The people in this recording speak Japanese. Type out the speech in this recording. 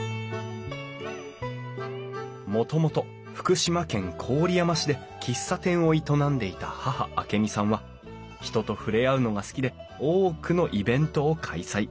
もともと福島県郡山市で喫茶店を営んでいた母明美さんは人と触れ合うのが好きで多くのイベントを開催！